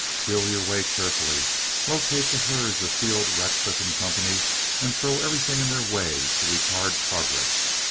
Feel your way carefully; locate the herds of Field, Radcliff & Co., and throw everything in their way to retard progress.